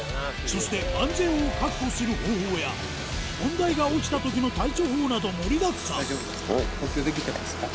そして安全を確保する方法や問題が起きたときの対処法など盛りだくさん大丈夫ですか？